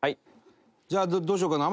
じゃあどうしようかな？